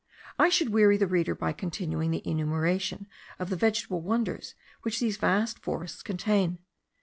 I should weary the reader by continuing the enumeration of the vegetable wonders which these vast forests contain.